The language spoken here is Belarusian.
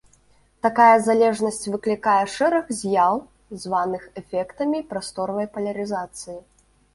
Такая залежнасць выклікае шэраг з'яў, званых эфектамі прасторавай палярызацыі.